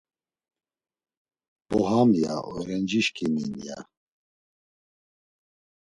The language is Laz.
Bo ham, ya; oğrencişǩimi’n, ya.